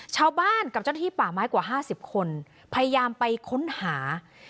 ชาวบ้านกับเจ้าหน้าที่ป่าไม้กว่า๕๐คนพยายามไปค้นหา